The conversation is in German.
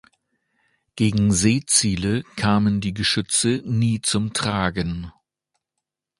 Gegen Seeziele kamen die Geschütze nie zum Tragen.